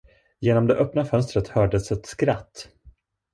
Genom det öppna fönstret hördes ett skratt.